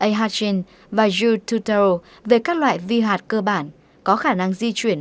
a hatchin và jude tuttle về các loại vi hạt cơ bản có khả năng di chuyển